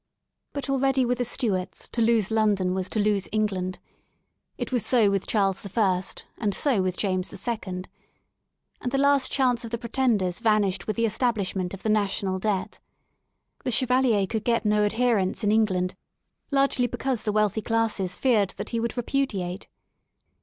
But already with the Stewarts to lose London was to lose England. It was so with Charles L, and so with James IL And the last chance of the Pretender*s vanished with the establishment of the National Debt. The Chevalier could get no adherents in England « largely because the wealthy classes feared that he would repudiate.